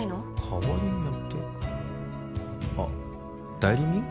代わりにやってあ代理人？